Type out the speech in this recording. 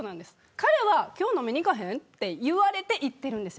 彼は、今日飲みに行かへんと言われて行ってるんです。